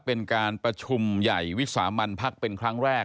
เป็นการประชุมใหญ่วิสามันพักเป็นครั้งแรก